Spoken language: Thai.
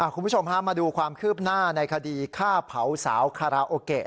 คุณผู้ชมฮะมาดูความคืบหน้าในคดีฆ่าเผาสาวคาราโอเกะ